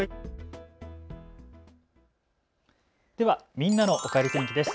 みんなのおかえり天気です。